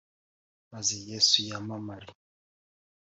maze Yesu yamamare